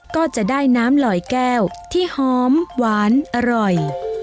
ก็จะได้น้ำลอยแก้วที่หอมหวานอร่อย